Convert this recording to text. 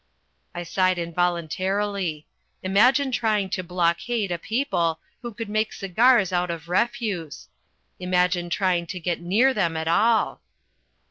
I sighed involuntarily. Imagine trying to "blockade" a people who could make cigars out of refuse; imagine trying to get near them at all!